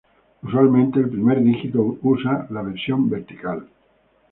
Usualmente el primer dígito usa la versión vertical.